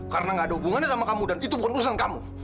karena gak ada hubungannya sama kamu dan itu bukan urusan kamu